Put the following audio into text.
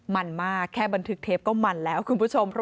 มันมากแค่บันทึกเทปก็มันแล้วคุณผู้ชม